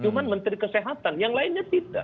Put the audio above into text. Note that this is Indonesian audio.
cuman menteri kesehatan yang lainnya tidak